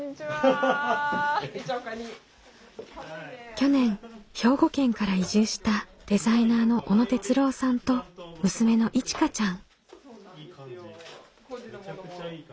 去年兵庫県から移住したデザイナーの小野哲郎さんと娘のいちかちゃん。